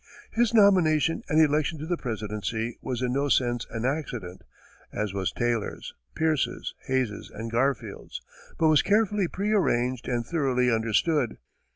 His nomination and election to the presidency was in no sense an accident, as was Taylor's, Pierce's, Hayes's and Garfield's, but was carefully prearranged and thoroughly understood.